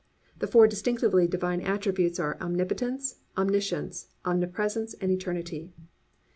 The four distinctively divine attributes are omnipotence, omniscience, omnipresence and eternity.